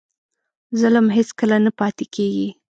ظلم هېڅکله نه پاتې کېږي.